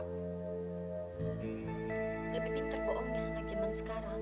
lebih pinter bohongin anak jaman sekarang